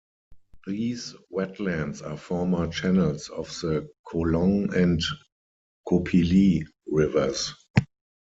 These wetlands are former channels of the Kolong and Kopili rivers.